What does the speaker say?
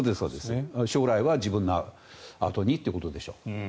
将来は自分のあとにということでしょう。